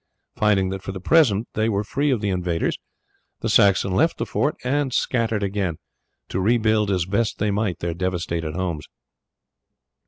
Finding that for the present they were free of the invaders, the Saxons left the fort and scattered again, to rebuild as best they might their devastated homes.